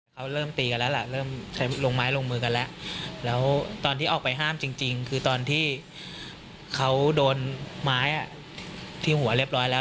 เขาเริ่มตีกันแล้วล่ะเริ่มใช้ลงไม้ลงมือกันแล้วแล้วตอนที่ออกไปห้ามจริงคือตอนที่เขาโดนไม้ที่หัวเรียบร้อยแล้ว